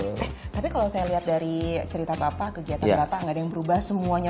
tapi kalau saya lihat dari cerita papa kegiatan bapak nggak ada yang berubah semuanya